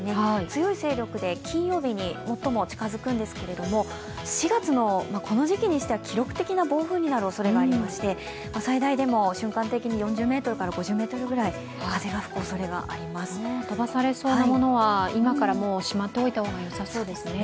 強い勢力で金曜日に最も近づくんですけれども４月のこの時期にしては記録的な暴風雨になるおそれがありまして最大でも瞬間的に４０メートルから５０メートルぐらい飛ばされそうなものは、今からしまっておいた方が良さそうですね。